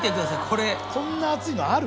これこんな厚いのある？